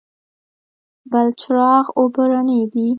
بلچراغ اوبه رڼې دي؟